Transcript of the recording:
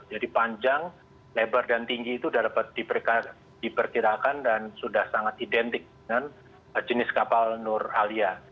jadi panjang lebar dan tinggi itu sudah dapat diperkirakan dan sudah sangat identik dengan jenis kapal nur alia